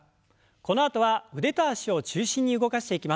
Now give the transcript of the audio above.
このあとは腕と脚を中心に動かしていきます。